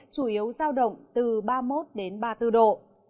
chủ yếu giao động từ ba mươi một đến ba mươi bốn độ